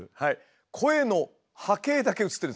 声の波形だけ映ってるんです。